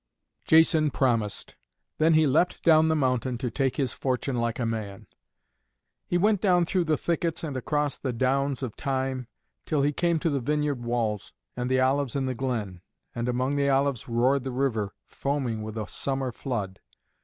Jason promised. Then he leapt down the mountain, to take his fortune like a man. He went down through the thickets and across the downs of thyme, till he came to the vineyard walls, and the olives in the glen. And among the olives roared the river, foaming with a summer flood.